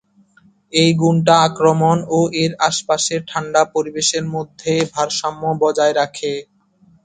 এই গুণটা আক্রমণ ও এর আশেপাশের ঠাণ্ডা পরিবেশের মধ্যে ভারসাম্য বজায় রাখে।